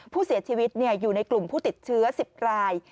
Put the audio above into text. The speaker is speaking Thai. ผู้เสียชีวิตอยู่ในกลุ่มผู้ติดเชื้อ๑๐ราย